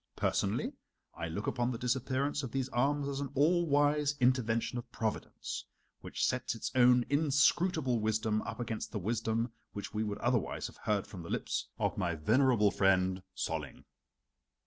Personally I look upon the disappearance of these arms as an all wise intervention of Providence, which sets its own inscrutable wisdom up against the wisdom which we would otherwise have heard from the lips of my venerable friend Solling."